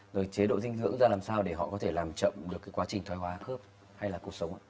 rồi chế độ dinh dưỡng ra làm sao để họ có thể làm chậm được cái quá trình thoải hoa khớp hay là cuộc sống